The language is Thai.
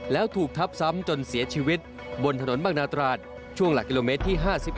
แล้วถูกทับซ้ำจนเสียชีวิตบนถนนบางนาตราดช่วงหลักกิโลเมตรที่๕๑